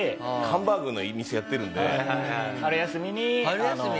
ハンバーグの店やってるんで。